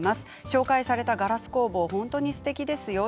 紹介されたガラス工房本当にすてきですよ。